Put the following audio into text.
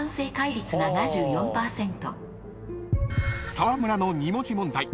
［沢村の２文字問題］